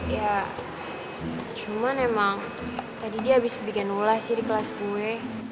ya cuman emang tadi dia habis bikin bola sih di kelas gue